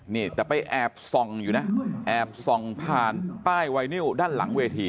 นี่แต่ไปแอบส่องอยู่นะแอบส่องผ่านป้ายไวนิวด้านหลังเวที